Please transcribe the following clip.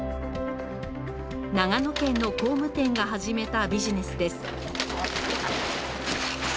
長野県の工務店が始めたビジネスです